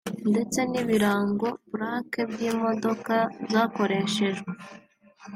ndetse n’ibirango (plaque) by’imodoka zakoreshejwe